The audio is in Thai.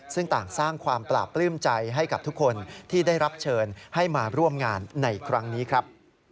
ซึ่งต่างสร้างความปราบปลื้มใจให้กับทุกคนที่ได้รับเชิญให้มาร่วมงานในครั้งนี้ครับ